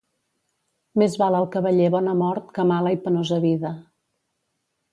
Més val al cavaller bona mort que mala i penosa vida.